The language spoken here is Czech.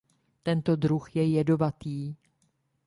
Tento druh je jedovatý.